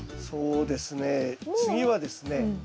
そうですね次はですね